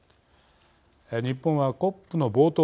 日本はＣＯＰの冒頭